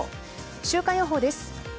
週間予報です。